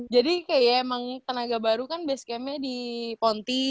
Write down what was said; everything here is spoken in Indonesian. jadi kayak emang tenaga baru kan base gamenya di ponti